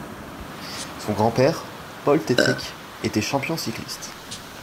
Son grand-père, Paul Tetrick, était champion cycliste.